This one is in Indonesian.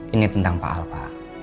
ini tentang pak al pak